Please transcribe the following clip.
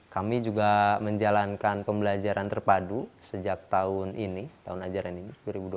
kami juga menjalankan pembelajaran terpadu sejak tahun ini tahun ajaran ini dua ribu dua puluh satu dua ribu dua puluh dua